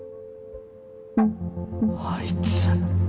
あいつ。